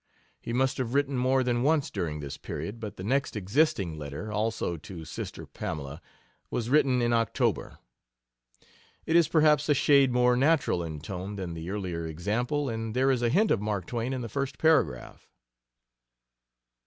He must have written more than once during this period, but the next existing letter also to Sister Pamela was written in October. It is perhaps a shade more natural in tone than the earlier example, and there is a hint of Mark Twain in the first paragraph.